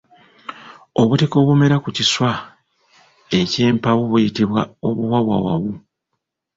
Obutiko obumera ku kiswa eky’empawu buyitibwa obuwawawu.